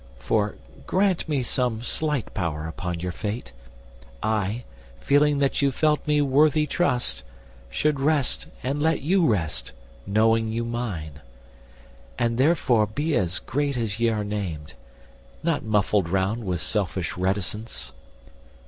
For, grant me some slight power upon your fate, I, feeling that you felt me worthy trust, Should rest and let you rest, knowing you mine. And therefore be as great as ye are named, Not muffled round with selfish reticence.